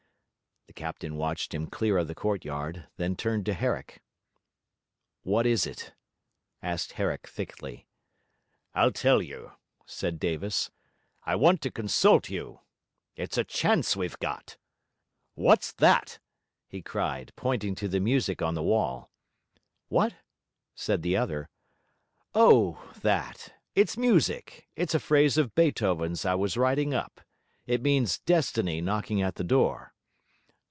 The captain watched him clear of the courtyard; then turned to Herrick. 'What is it?' asked Herrick thickly. 'I'll tell you,' said Davis. 'I want to consult you. It's a chance we've got. What's that?' he cried, pointing to the music on the wall. 'What?' said the other. 'Oh, that! It's music; it's a phrase of Beethoven's I was writing up. It means Destiny knocking at the door.'